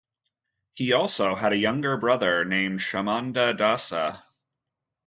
He also had a younger brother named Shyamananda Dasa.